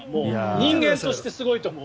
人間としてすごいと思う。